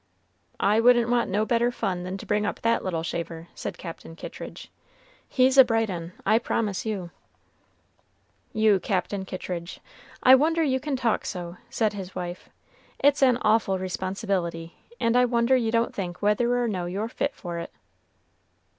"I wouldn't want no better fun than to bring up that little shaver," said Captain Kittridge; "he's a bright un, I promise you." "You, Cap'n Kittridge! I wonder you can talk so," said his wife. "It's an awful responsibility, and I wonder you don't think whether or no you're fit for it."